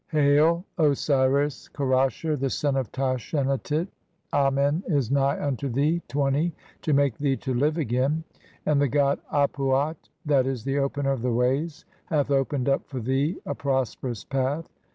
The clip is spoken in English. "Hail, Osiris Kerasher, the son of Tashenatit, Amen "is nigh unto thee (20) to make thee to live again. "And the god Ap uat (7. e., the Opener of the ways) "hath opened up for thee a prosperous path.